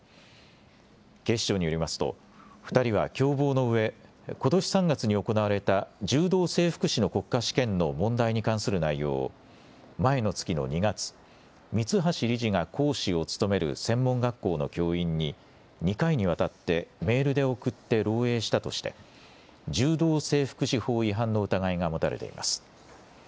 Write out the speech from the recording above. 警視庁によりますと２人は共謀のうえ、ことし３月に行われた柔道整復師の国家試験の問題に関する内容を前の月の２月、三橋理事が講師を務める専門学校の教員に２回にわたってメールで送って漏えいしたとして柔道整復師法違反の疑いが持たれています。